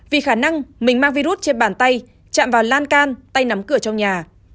vì khả năng mình mang virus trên bàn tay chạm vào lan can tay nắm cửa trong nhà